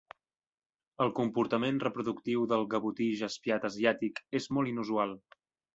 El comportament reproductiu del gavotí jaspiat asiàtic és molt inusual.